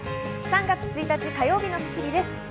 ３月１日、火曜日の『スッキリ』です。